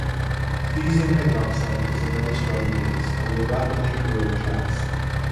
Caesium hydroxide is a very strong base, and will rapidly corrode glass.